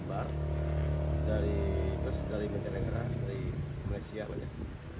kebanyakan dari luar sumbang dari negara negara dari malaysia banyak